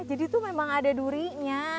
jadi tuh memang ada durinya